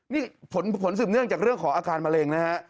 นี่ผลสืบเนื่องจากเรื่องของอาการมะเร็งนะฮะ